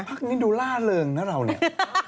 พักนี้ดูล่าเริงนะเราเนี่ย